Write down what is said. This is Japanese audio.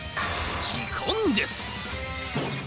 時間です。